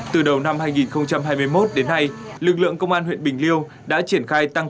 từ đầu năm hai nghìn hai mươi một đến nay lực lượng công an huyện bình liêu đã triển khai tăng